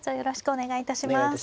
お願いいたします。